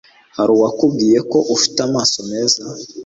Hari uwakubwiye ko ufite amaso meza?